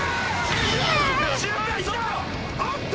おっと？